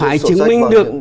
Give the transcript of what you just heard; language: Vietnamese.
phải chứng minh được